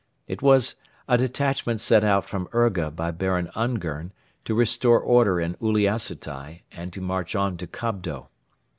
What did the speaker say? It was a detachment sent out from Urga by Baron Ungern to restore order in Uliassutai and to march on to Kobdo.